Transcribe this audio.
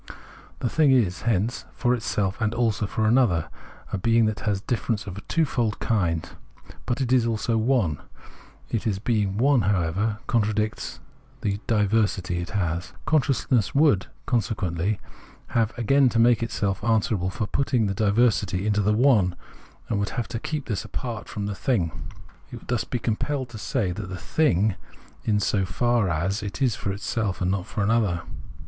The thing is, hence, for itself and also for another, a being that has difference of a twofold kind. But it is also "one." Its being "one," however, contradicts the diversity it has. Consciousness would, consequently, have again to make itself answerable for Perception' 117 putting the diversity into the "one," and would have to keep this apart from the thing. It would thus be compelled to say that the thing " in so far as " it is for itself is not for another.